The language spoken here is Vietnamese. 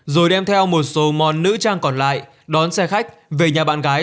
rồi đem theo một số món nữ trang còn lại đón xe khách về nhà bạn gái